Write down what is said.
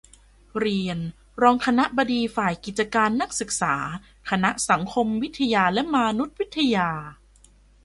เรียน รองคณบดีฝ่ายกิจการนักศึกษา คณะสังคมวิทยาและมานุษยวิทยา